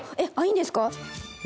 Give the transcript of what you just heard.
いいんですか？